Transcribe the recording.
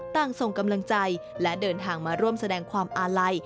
ส่งกำลังใจและเดินทางมาร่วมแสดงความอาลัย